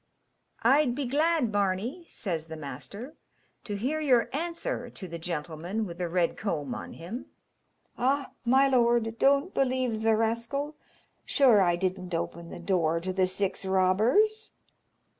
"I'd be glad, Barney," says the master, "to hear your answer to the gentleman with the red comb on him." "Ah, my lord, don't believe the rascal; sure I didn't open the door to the six robbers."